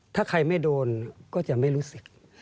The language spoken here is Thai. ถ้าใครไม่โดนก็จะไม่รู้สึก